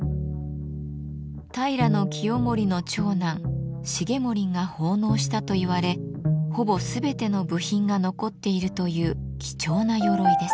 平清盛の長男重盛が奉納したといわれほぼ全ての部品が残っているという貴重な鎧です。